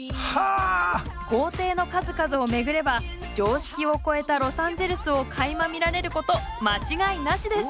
豪邸の数々を巡れば常識を超えたロサンゼルスをかいま見られること間違いなしです！